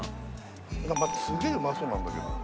待ってすげえうまそうなんだけど。